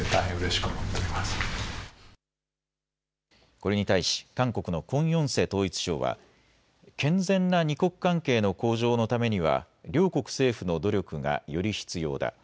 これに対し韓国のクォン・ヨンセ統一相は、健全な二国関係の向上のためには両国政府の努力がより必要だ。